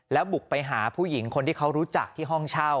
แล้วบุกไปหาผู้หญิงคนที่เขารู้จักที่ห้องเช่า